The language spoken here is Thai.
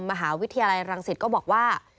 มหาวิทยาลัยรังสิตก็บอกว่า